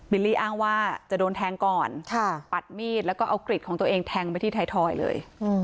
ลี่อ้างว่าจะโดนแทงก่อนปัดมีดแล้วก็เอากริดของตัวเองแทงไปที่ไทยทอยเลย